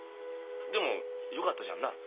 でもよかったじゃんな。